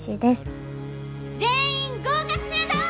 全員合格するぞ！